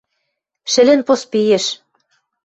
Шӹлӹн поспейӹш.